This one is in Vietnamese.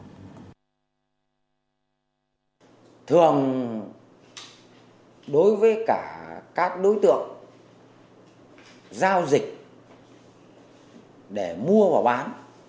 thường đối với cả các đối tượng giao dịch để mua và bán